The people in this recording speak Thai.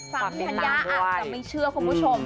ฟังทัญญาอับแต่ไม่เชื่อคุณผู้ชม